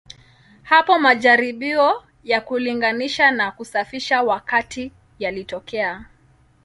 Hapo majaribio ya kulinganisha na kusafisha wakati yalitokea.